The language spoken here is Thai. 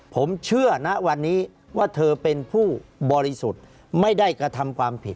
ผมเชื่อนะวันนี้ว่าเธอเป็นผู้บริสุทธิ์ไม่ได้กระทำความผิด